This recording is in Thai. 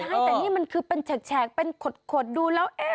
ใช่แต่นี่มันคือเป็นแฉกเป็นขดดูแล้ว